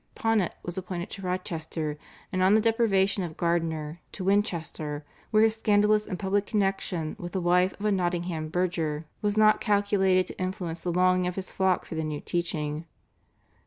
Ponet was appointed to Rochester, and on the deprivation of Gardiner, to Winchester, where his scandalous and public connexion with the wife of a Nottingham burgher was not calculated to influence the longing of his flock for the new teaching.